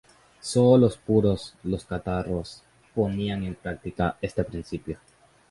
Sólo los puros, los cátaros, ponían en práctica este principio.